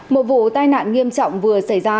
một vụ tai nạn nghiêm trọng vừa xảy ra